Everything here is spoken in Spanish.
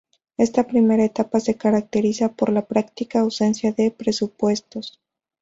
Esta primera etapa se caracteriza por la práctica ausencia de presupuesto.